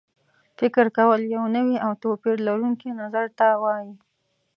فکر کول یو نوي او توپیر لرونکي نظر ته وایي.